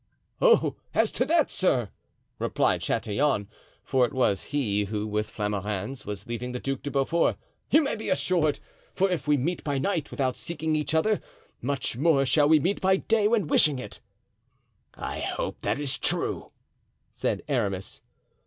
"Oh, as to that, sir," replied Chatillon (for it was he who, with Flamarens, was leaving the Duc de Beaufort), "you may be assured; for if we meet by night without seeking each other, much more shall we meet by day when wishing it." "I hope that is true," said Aramis.